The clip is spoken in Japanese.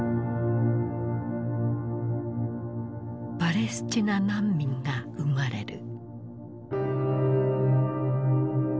パレスチナ難民が生まれる。